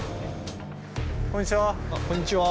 こんにちは。